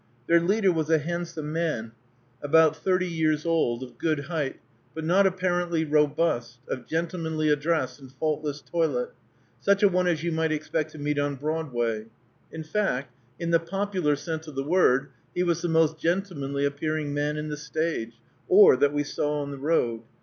Their leader was a handsome man about thirty years old, of good height, but not apparently robust, of gentlemanly address and faultless toilet; such a one as you might expect to meet on Broadway. In fact, in the popular sense of the word, he was the most "gentlemanly" appearing man in the stage, or that we saw on the road.